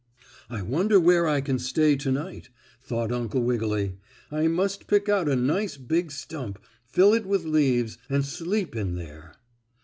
"I wonder where I can stay to night?" thought Uncle Wiggily. "I must pick out a nice, big stump, fill it with leaves, and sleep in there."